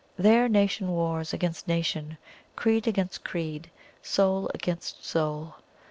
There, nation wars against nation, creed against creed, soul against soul.